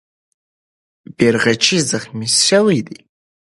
بیرغچی زخمي سوی وو.